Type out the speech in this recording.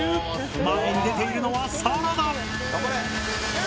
前に出ているのはさらだ。